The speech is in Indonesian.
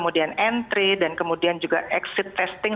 dan kemudian juga exit testing